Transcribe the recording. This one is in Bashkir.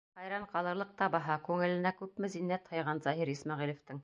Хайран ҡалырлыҡ та баһа, күңеленә күпме зиннәт һыйған Заһир Исмәғилевтең.